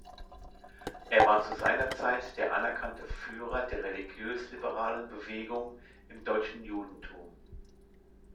Er war zu seiner Zeit der anerkannte Führer der religiös-liberalen Bewegung im deutschen Judentum.